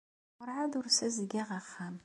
Werɛad ur d-ssazedgeɣ ara axxam.